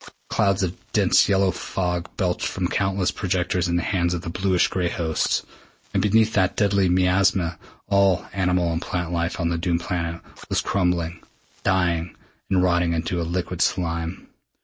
Clouds of dense yellow fog belched from countless projectors in the hands of the bluish gray hosts, and beneath that deadly miasma all animal and plant life on the doomed planet was crumbling, dying, and rotting into a liquid slime.